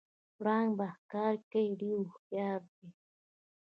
پړانګ په ښکار کې ډیر هوښیار دی